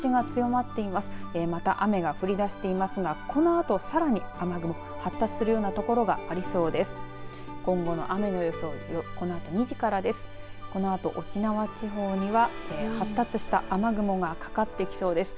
また雨が降り出していますがこのあと、さらに雨雲発達するような所がありそうです。